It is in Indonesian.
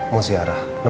aku aneh banget